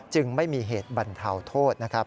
จึงไม่มีเหตุบรรเทาโทษนะครับ